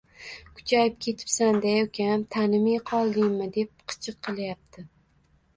"Kuchayib ketibsande ukam, tanime qoldingmi" deb qichiq qilyapti